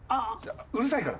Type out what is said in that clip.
うるさいから。